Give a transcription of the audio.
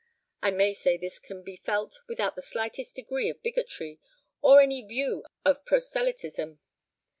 I may say this can be felt without the slightest degree of bigotry, or any view of proselytism.